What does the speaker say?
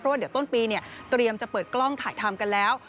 ว่าเดี๋ยวต้นปีเนี่ยเตรียมจะเปิดกล้องถ่ายทำกันแล้ว